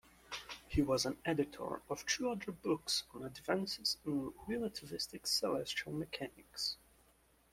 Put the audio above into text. He was an editor of two other books on advances in relativistic celestial mechanics.